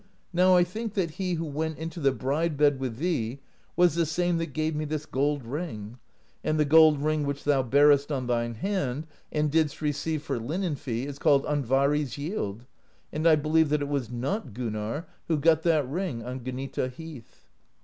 Now I think that he who went into the bride, bed with thee was the same that gave me this gold ring; and the gold ring which thou bearest on thine hand and didst receive for linen fee is called And vari's Yield, and I believe that it was not Gunnarr who got that ring on Gnita Heath.'